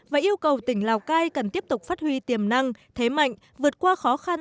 và yêu cầu tỉnh lào cai cần tiếp tục phát huy tiềm năng thế mạnh vượt qua khó khăn